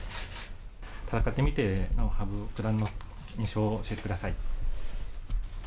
戦ってみて、羽生九段の印象を教えてください。